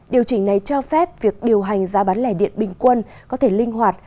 điều chỉnh này cho phép việc điều hành giá bán lẻ điện bình quân có thể linh hoạt